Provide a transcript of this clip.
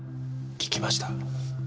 聞きました？